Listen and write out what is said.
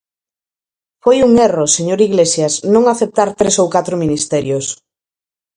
Foi un erro, señor Iglesias, non aceptar tres ou catro ministerios.